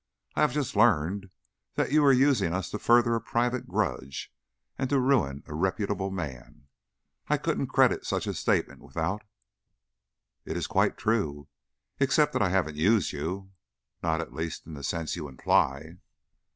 I have just learned that you are using us to further a private grudge and to ruin a reputable man. I couldn't credit such a statement without " "It is quite true, except that I haven't 'used' you. Not, at least, in the sense you imply."